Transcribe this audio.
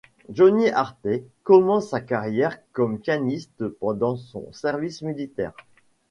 Johnny Arthey commence sa carrière comme pianiste pendant son service militaire.